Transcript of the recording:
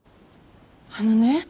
あのね。